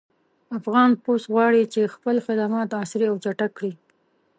افغان پُست غواړي چې خپل خدمات عصري او چټک کړي